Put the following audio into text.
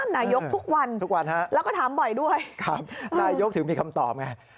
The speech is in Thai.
นายกทุกวันทุกวันฮะแล้วก็ถามบ่อยด้วยครับนายกถึงมีคำตอบไง